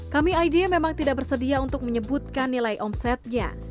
kami idea memang tidak bersedia untuk menyebutkan nilai omsetnya